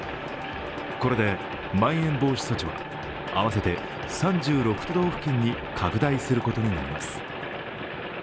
これでまん延防止措置は、合わせて３６都道府県に拡大することになります。